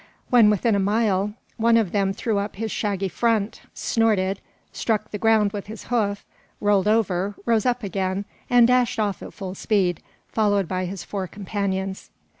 When within a mile, one of them threw up his shaggy front, snorted, struck the ground with his hoof, rolled over, rose up again, and dashed off at full speed, followed by his four companions.